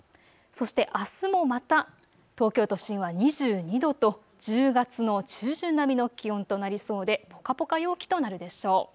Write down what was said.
そして、あすもまた東京都心は２２度と１０月の中旬並みの気温となりそうでぽかぽか陽気となるでしょう。